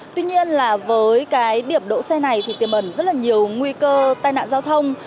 tuy nhiên là với cái điểm đỗ xe này thì tiềm ẩn rất là nhiều nguy cơ tai nạn giao thông